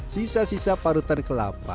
sisa sisa parutan kelapa